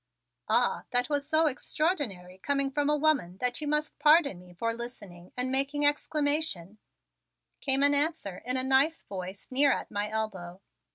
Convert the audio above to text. "Ah, that was so extraordinary coming from a woman that you must pardon me for listening and making exclamation," came an answer in a nice voice near at my elbow.